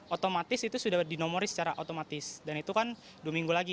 otomatis itu sudah dinomori secara otomatis dan itu kan dua minggu lagi